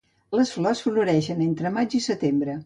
Les flors floreixen entre maig i setembre.